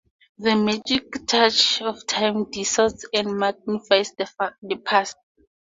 The magic touch of time distorts and magnifies the past.